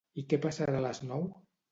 I què passarà a les nou?